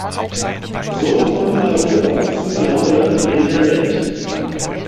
So kommt Europa zu seiner Rolle in der Welt.